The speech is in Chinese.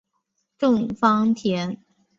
郑芳田。